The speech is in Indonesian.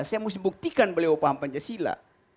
saya mesti buktikan beliau paham pancasila